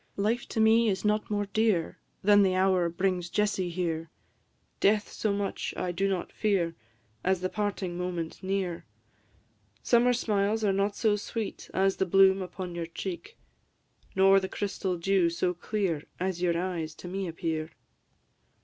Life to me is not more dear Than the hour brings Jessie here; Death so much I do not fear As the parting moment near. Summer smiles are not so sweet As the bloom upon your cheek; Nor the crystal dew so clear As your eyes to me appear.